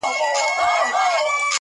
له حملې سره ملگری یې غړومبی سو٫